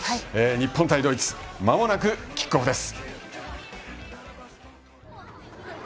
日本対ドイツまもなくキックオフです。